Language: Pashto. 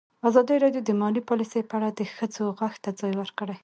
ازادي راډیو د مالي پالیسي په اړه د ښځو غږ ته ځای ورکړی.